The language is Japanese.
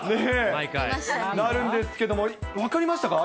なるんですけども、分かりましたか？